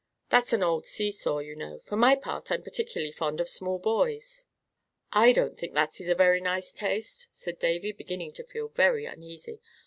"That's an old sea saw, you know. For my part I'm particularly fond of small buoys." "I don't think that is a very nice taste," said Davy, beginning to feel very uneasy.